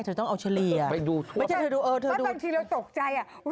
เธอต้องเอาเฉลี่ยไม่ใช่เธอดูเออเธอก็บางทีเราตกใจอ่ะ